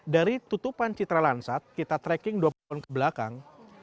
dari tutupan citra lansat kita tracking dua puluh tahun kebelakang